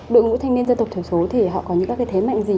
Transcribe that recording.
đội ngũ thanh niên dân tộc thiểu số thì họ có những các cái thế mạnh gì